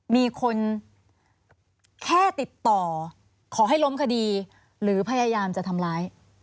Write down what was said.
มีคนแค่ติดต่อขอให้ล้มคดีหรือพยายามจะทำร้าย